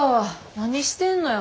何してんのや。